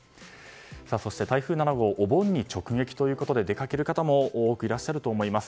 そして、台風７号はお盆に直撃ということで出かける方も多くいらっしゃると思います。